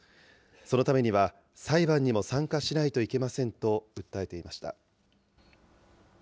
そのためには、裁判にも参加しないといけませんと訴えていました。